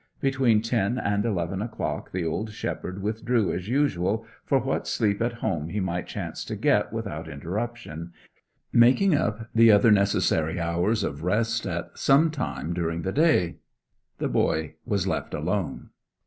Between ten and eleven o'clock the old shepherd withdrew as usual for what sleep at home he might chance to get without interruption, making up the other necessary hours of rest at some time during the day; the boy was left alone.